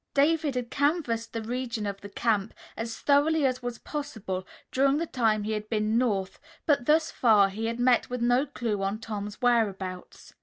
David had canvassed the region of the camp as thoroughly as was possible during the time he had been North, but thus far he had met with no clue to Tom's whereabouts.